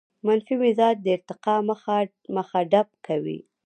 منفي مزاج د ارتقاء مخه ډب کوي.